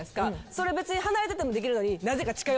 それ別に離れててもできるのに。